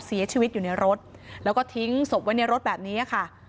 เสียชีวิตอยู่ในรถแล้วก็ทิ้งศพไว้ในรถแบบนี้ค่ะ